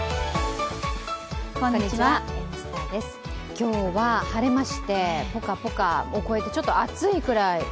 今日は晴れましてポカポカを超えてちょっと暑いくらい。